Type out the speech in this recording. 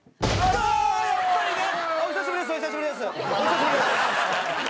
お久しぶりですお久しぶりですお久しぶりです。